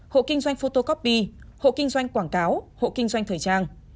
hộ kinh doanh photocopy hộ kinh doanh quảng cáo hộ kinh doanh thời trang